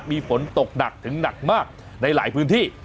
มีฝนตกหนักถึงหนักมากในหลายพื้นที่